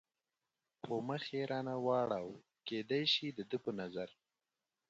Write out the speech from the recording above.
خو مخ یې را نه واړاوه، کېدای شي د ده په نظر.